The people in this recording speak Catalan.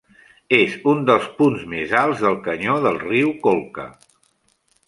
És un dels punts més alts de canyó del riu Colca.